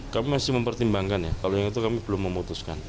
kami masih mempertimbangkan ya kalau yang itu kami belum memutuskan